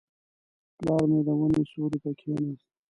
پلار مې د ونې سیوري ته کښېناست.